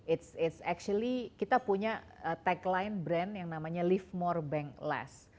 ini sebenarnya kita punya tagline brand yang namanya live more bank less